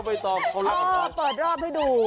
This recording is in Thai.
อ๋อเปิดรอบให้ดู